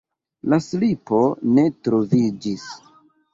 La slipo ne troviĝis.